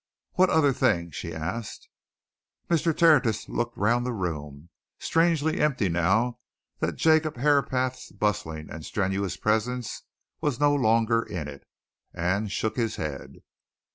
"What other thing?" she asked. Mr. Tertius looked round the room strangely empty now that Jacob Herapath's bustling and strenuous presence was no longer in it and shook his head.